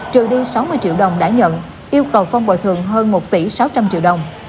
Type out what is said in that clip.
trừ đi sáu mươi triệu đồng đã nhận yêu cầu phong bồi thường hơn một tỷ sáu trăm linh triệu đồng